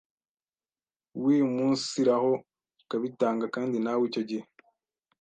wiumunsiraho ukabitanga kandi nawe icyo gihe